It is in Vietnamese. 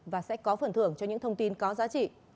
và sẽ có phần thưởng cho những thông tin có giá trị